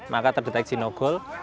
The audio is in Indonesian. maka terdeteksi no goal